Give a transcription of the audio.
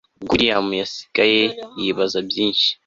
ubwo william yasigaye yibaza byinshi